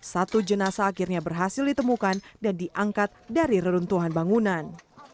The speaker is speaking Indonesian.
satu jenasa akhirnya berhasil ditemukan dan diangkat dari reruntuhan bangunan